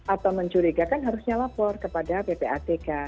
atau mencurigakan harusnya lapor kepada ppatk